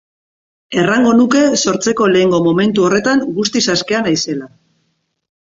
Errango nuke sortzeko lehengo momentu horretan guztiz askea naizela.